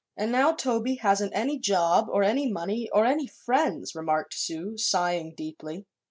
"And now Toby hasn't any job, or any money, or any friends," remarked Sue, sighing deeply.